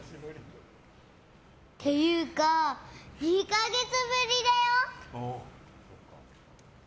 っていうか、２か月ぶりだよ。